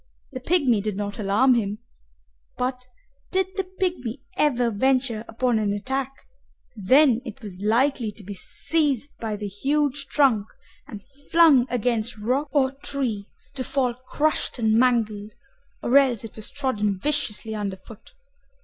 The pygmy did not alarm him, but did the pygmy ever venture upon an attack, then it was likely to be seized by the huge trunk and flung against rock or tree, to fall crushed and mangled, or else it was trodden viciously under foot.